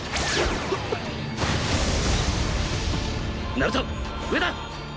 ナルト上だ！